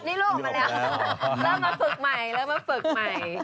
เริ่มมาฝึกใหม่เริ่มมาฝึกใหม่